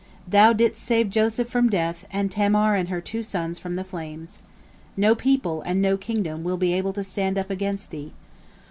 Thou didst save Joseph from death, and Tamar and her two sons from the flames. No people and no kingdom will be able to stand up against thee.